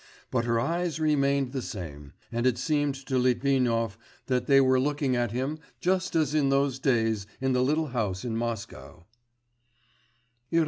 But her eyes remained the same, and it seemed to Litvinov that they were looking at him just as in those days in the little house in Moscow.